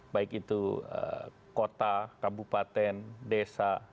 baik itu kota kabupaten desa